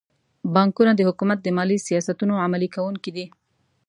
بانکونه د حکومت د مالي سیاستونو عملي کوونکي دي.